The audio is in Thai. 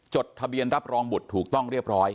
จดทะเบียนรับรองบุตรถูกต้องเรียบร้อย